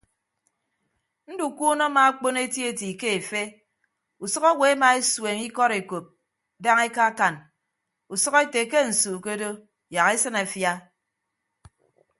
Ndukuunọ amaakpon etieti ke efe usʌk owo emaesueñ ikọd ekop daña ekaakan usʌk ete ke nsu ke odo yak esịn afia.